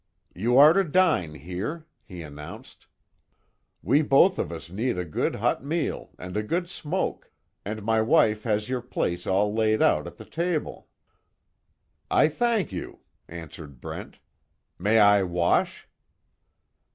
"You are to dine here," he announced, "we both of us need a good hot meal, and a good smoke, and my wife has your place all laid at the table." "I thank you," answered Brent, "May I wash?"